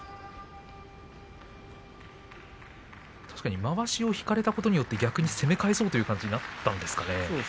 確かに、まわしを引かれたことによって逆に攻め返そうという気持ちになったんでしょうか。